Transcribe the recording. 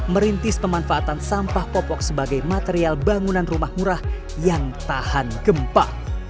merintis pemanfaatan sampah popok sebagai material bangunan rumah murah yang tahan gempa